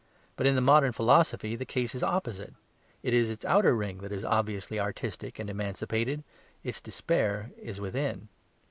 But in the modern philosophy the case is opposite; it is its outer ring that is obviously artistic and emancipated; its despair is within.